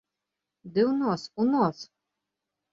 Ды ў нос, у нос!